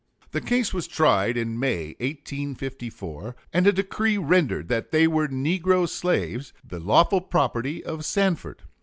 The case was tried in May, 1854, and a decree rendered that they "were negro slaves, the lawful property" of Sandford.